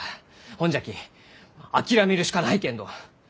ほんじゃき諦めるしかないけんど！